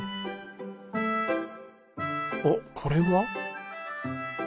おっこれは？